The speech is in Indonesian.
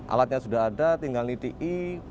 alatnya sudah ada tinggal niti